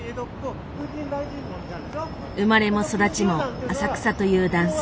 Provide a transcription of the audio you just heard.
生まれも育ちも浅草という男性。